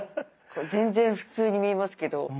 全然普通に見えますけど。